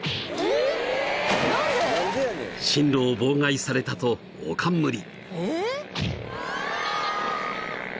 ［進路を妨害されたとおかんむり］